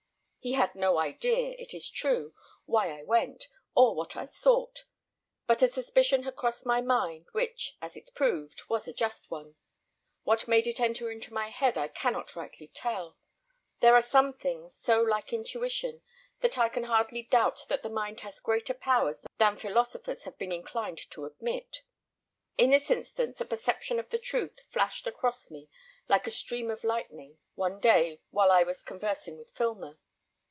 He had no idea, it is true, why I went, or what I sought; but a suspicion had crossed my mind, which, as it proved, was a just one. What made it enter into my head I cannot rightly tell. There are some things so like intuition that I can hardly doubt that the mind has greater powers than philosophers have been inclined to admit. In this instance a perception of the truth flashed across me like a stream of lightning, one day while I was conversing with Filmer.